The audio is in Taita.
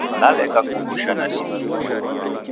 Naleka kughusha nadime